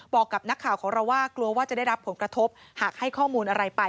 บอกกับนักข่าวของเราว่ากลัวว่าจะได้รับผลกระทบหากให้ข้อมูลอะไรไป